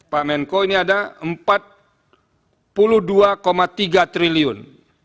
pak menko ini ada empat puluh dua tiga triliun